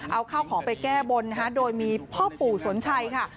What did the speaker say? เอาข้าวของไปแก้บนนะคะโดยมีพ่อปู่สนชัยค่ะ